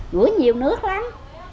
rửa nhiều nước lắm